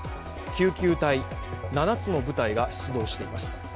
救急隊７つの部隊が出動しています